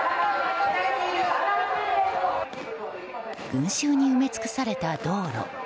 群衆に埋め尽くされた道路。